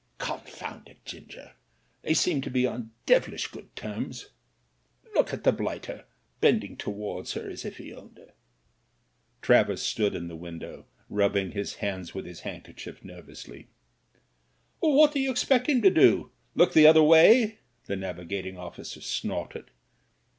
"Confound it, Ginger ! they seem to be on devilish good terms. Look at the blighter, bending towards her as if he owned her." Travers stood in the win dow rubbing his hands with his handkerchief ner vously. "What d'you expect him to do? Look the other way?" The navigating officer snorted.